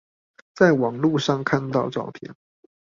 在網路上看到照片